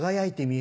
え！